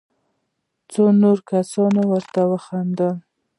څو نورو کسانو ورته خندل.